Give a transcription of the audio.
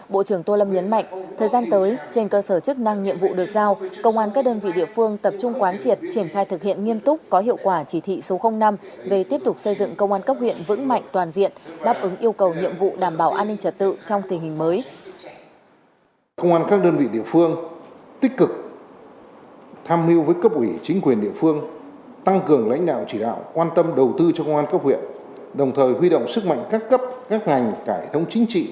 bộ trưởng tô lâm nhấn mạnh thời gian tới trên cơ sở chức năng nhiệm vụ được giao công an các đơn vị địa phương tập trung quán triệt triển khai thực hiện nghiêm túc có hiệu quả chỉ thị số năm về tiếp tục xây dựng công an cấp huyện vững mạnh toàn diện đáp ứng yêu cầu nhiệm vụ đảm bảo an ninh trật tự trong tình hình mới